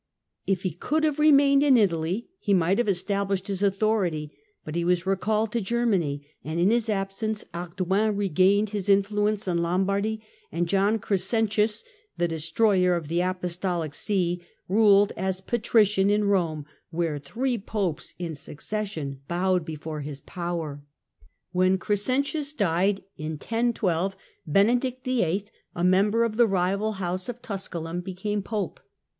If he could have remained in Italy, he might have established his authority, but he was recalled to Germany, and in his absence Ardoin regained his influence in Lombardy, and John Crescentius, " the destroyer of the Apostolic See," ruled as " Patrician " in Eome, where three Popes in succession bowed before his power. When Crescentius TRANSFERENCE FROM SAXONS TO SALTANS 27 died in 1012, Benedict VIII., a member of the rival house of Tusculum, became Pope.